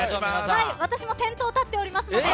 私も店頭に立っておりますので